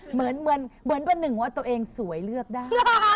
เหมือนเป็นหนึ่งว่าตัวเองสวยเลือกได้